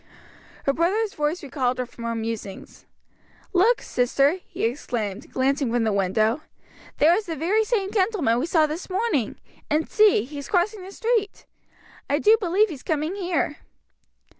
Her brother's voice recalled her from her musings. "Look, sister," he exclaimed, glancing from the window, "there is the very same gentleman we saw this morning! and see, he's crossing the street! I do believe he's coming here."